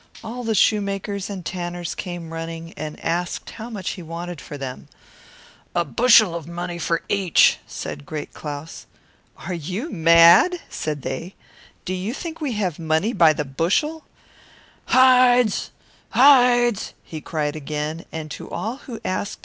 All the shoemakers and tanners came running, and asked how much he wanted for them. "A bushel of money, for each," replied Great Claus. "Are you mad?" they all cried; "do you think we have money to spend by the bushel?" "Skins, skins," he cried again, "who'll buy skins?"